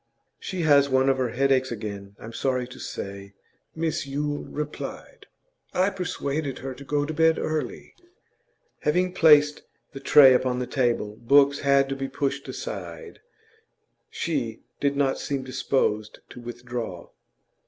'She has one of her headaches again, I'm sorry to say,' Mrs Yule replied. 'I persuaded her to go to bed early.' Having placed the tray upon the table books had to be pushed aside she did not seem disposed to withdraw.